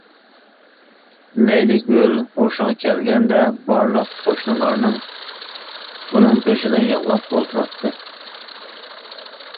لەيلىگۈل ھوشىغا كەلگەندە بارلىق قوشنىلارنىڭ ئۇنىڭ بېشىدا يىغلاپ ئولتۇراتتى.